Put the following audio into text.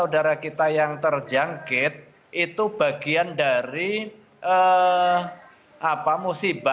adaharrael jella yang memvindai kavasi penyihir pengunjung